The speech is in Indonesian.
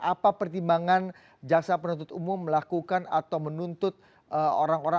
apa pertimbangan jaksa penuntut umum melakukan atau menuntut orang orang